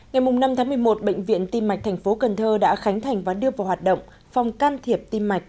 ngày năm tháng một mươi một bệnh viện tim mạch tp cn đã khánh thành và đưa vào hoạt động phòng can thiệp tim mạch